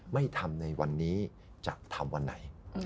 ไม่ทำในวันนี้จะทำวันไหน